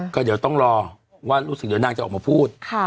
ก็เดี๋ยวต้องรอว่ารู้สึกเดี๋ยวนางจะออกมาพูด